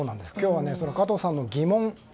今日は加藤さんの疑問。